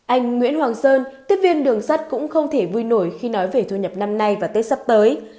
anh nguyễn hoàng sơn tiếp viên đường sắt cũng không thể vui nổi khi nói về thu nhập năm nay và tết sắp tới